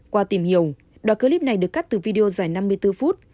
qua tìm hiểu đoạn clip này được cắt từ video dài năm mươi bốn phút